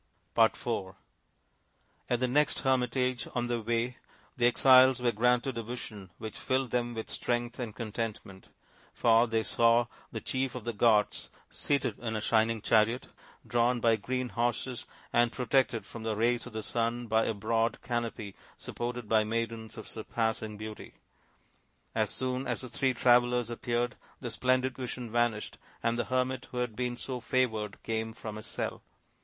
IV At the next hermitage on their way the exiles were granted a vision which filled them with strength and contentment ; for they saw the chief of the gods seated in a shining chariot drawn by green horses and protected from the rays of the sun by a broad canopy supported by maidens of surpassing beauty. As soon as the three travellers appeared the splendid vision vanished, and the hermit who had been so favoured came from his cell.